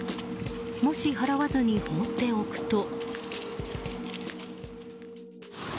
もし払わずに放っておくと。